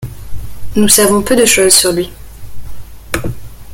Nous savons peu de choses sur lui.